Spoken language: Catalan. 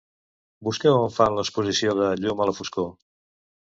Busca on fan l'exposició de "Llum a la foscor".